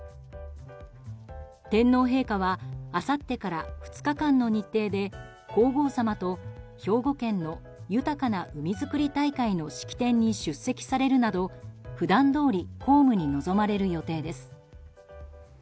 天皇陛下は、あさってから２日間の日程で皇后さまと、兵庫県の豊かな海づくり大会の式典に出席されるなど普段どおり公務に臨まれる予定です。